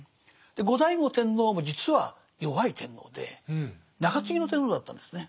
後醍醐天皇も実は弱い天皇で中継ぎの天皇だったんですね。